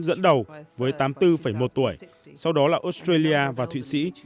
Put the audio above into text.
dẫn đầu với tám mươi bốn một tuổi sau đó là australia và thụy sĩ